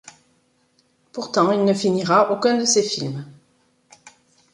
Pourtant il ne finira aucun de ses films.